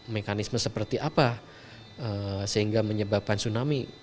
mekanisme seperti apa sehingga menyebabkan tsunami